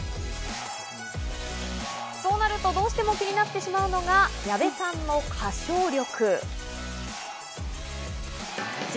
そうなるとどうしても気になってしまうのが矢部さんの歌唱力。